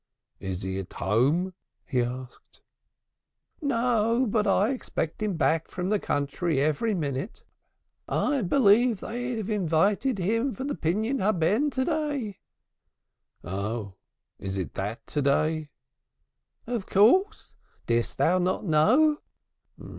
"Is he at home?" he asked. "No, but I expect him back from the country every minute. I believe they have invited him for the Pidyun Haben to day." "Oh, is that to day?" "Of course. Didst thou not know?"